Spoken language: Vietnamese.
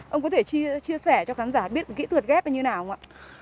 ông có thể chia sẻ cho khán giả biết kỹ thuật ghép như nào không ạ